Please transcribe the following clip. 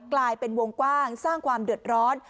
กลายเป็นวงกว้างสร้างความเดือดร้อน